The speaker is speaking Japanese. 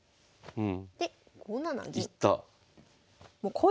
うん。